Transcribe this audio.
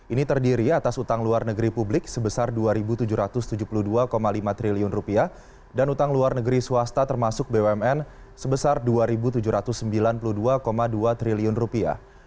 ini terdiri atas utang luar negeri publik sebesar dua tujuh ratus tujuh puluh dua lima triliun rupiah dan utang luar negeri swasta termasuk bumn sebesar dua tujuh ratus sembilan puluh dua dua triliun rupiah